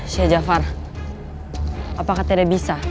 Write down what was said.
sheikh jafar apakah tidak bisa